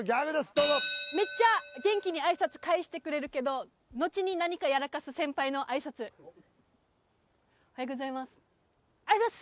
どうぞメッチャ元気に挨拶返してくれるけどのちに何かやらかす先輩の挨拶おはようございますおはようございます！